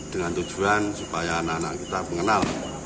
dengan tujuan supaya anak anak kita mengenal